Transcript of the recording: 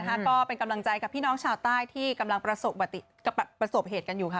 ก็เป็นกำลังใจกับพี่น้องชาวใต้ที่กำลังประสบเหตุกันอยู่ค่ะ